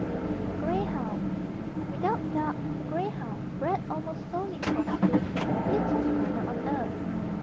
THE GREY HOUND. Without doubt, the grey hound, bred almost solely for speed, is the fleetest runner on earth.